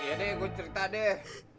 deh gue cerita deh